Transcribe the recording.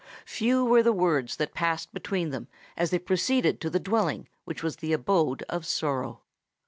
Few were the words that passed between them as they proceeded to the dwelling which was the abode of sorrow.